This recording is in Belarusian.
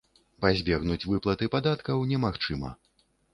Пазбегнуць выплаты падаткаў немагчыма.